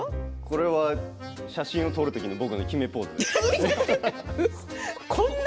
これは写真を撮る時の僕の決めポーズです。